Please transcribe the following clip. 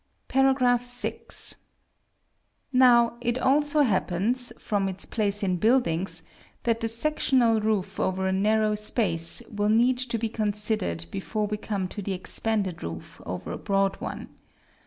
§ VI. Now, it also happens, from its place in buildings, that the sectional roof over a narrow space will need to be considered before we come to the expanded roof over a broad one.